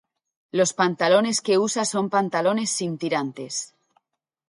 Los pantalones que usa son pantalones sin tirantes.